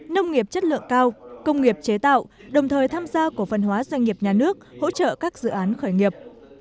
nông nghiệp chất lượng cao công nghiệp chế tạo đồng thời tham gia cổ phân hóa doanh nghiệp nhà nước hỗ trợ các dự án khởi nghiệp